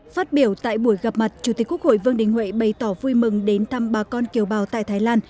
phát biểu tại buổi gặp mặt chủ tịch quốc hội vương đình huệ bày tỏ vui mừng đến thăm bà con kiều bào tại thái lan